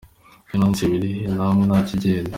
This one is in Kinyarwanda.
ibyo nanditse biri he? namwe nta kigenda.